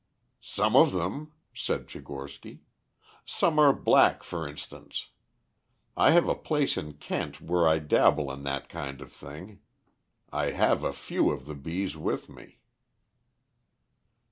"Some of them," said Tchigorsky. "Some are black, for instance. I have a place in Kent where I dabble in that kind of thing. I have a few of the bees with me."